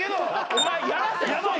お前やらせ。